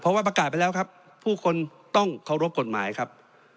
เพราะว่าประกาศไปแล้วครับผู้คนต้องเคารพกฎหมายครับ